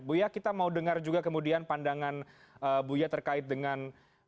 buya kita mau dengar juga kemudian pandangan buya terkait dengan